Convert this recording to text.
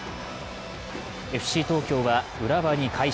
ＦＣ東京は浦和に快勝。